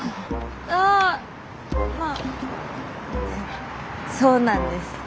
あまあそうなんです。